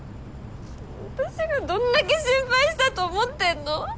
私がどんだけ心配したと思ってんの。